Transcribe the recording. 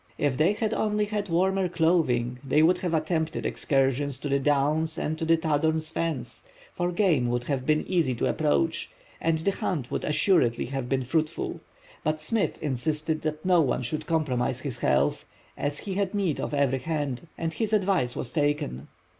If they had only had warmer clothing, they would have attempted excursions to the downs and to Tadorns' Fens, for game would have been easy to approach, and the hunt would assuredly have been fruitful. But Smith insisted that no one should compromise his health, as he had need of every hand; and his advice was taken.